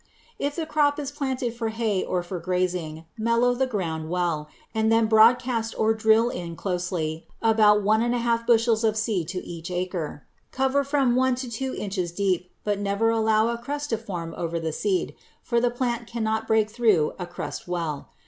If the crop is planted for hay or for grazing, mellow the ground well, and then broadcast or drill in closely about one and a half bushels of seed to each acre. Cover from one to two inches deep, but never allow a crust to form over the seed, for the plant cannot break through a crust well.